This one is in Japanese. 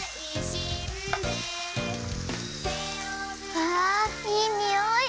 わあいいにおい。